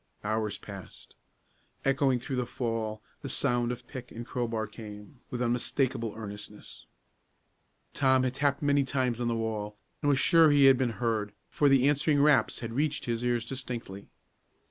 Hours passed. Echoing through the fall, the sound of pick and crowbar came, with unmistakable earnestness. Tom had tapped many times on the wall, and was sure he had been heard, for the answering raps had reached his ears distinctly.